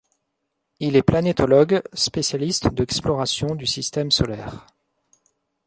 Il est planétologue, spécialiste de l'exploration du Système solaire.